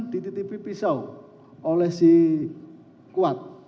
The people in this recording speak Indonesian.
di titipi pisau oleh si kuat